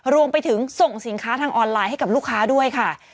รวมไปถึงส่งสินค้าทางออนไลน์ให้กับลูกค้าด้วยค่ะ